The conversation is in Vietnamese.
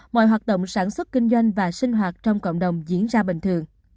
mọi hoạt động sản xuất kinh doanh và sinh hoạt trong cộng đồng diễn ra bình thường